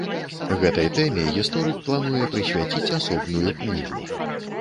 Гэтай тэме гісторык плануе прысвяціць асобную кнігу.